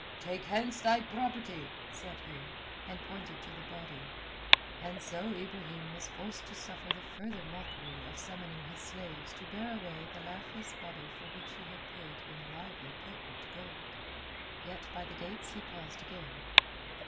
"Take hence thy property," said he, and pointed to the body. And so Ibrahim was forced to suffer the further mockery of summoning his slaves to bear away the lifeless body for which he had paid in lively potent gold. Yet by the gates he paused again.